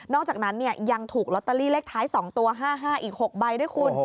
อกจากนั้นยังถูกลอตเตอรี่เลขท้าย๒ตัว๕๕อีก๖ใบด้วยคุณ